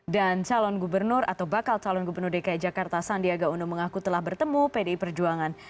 dan calon gubernur atau bakal calon gubernur dki jakarta sandiaga uno mengaku telah bertemu pdi perjuangan